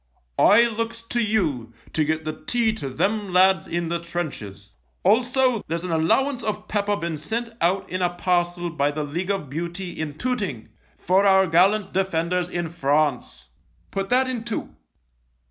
I looks to you to get the tea to them lads in the trenches. Also, there's an allowance of pepper been sent out in a parcel by the League of Beauty in Tooting for our gallant defenders in France — put that in too.'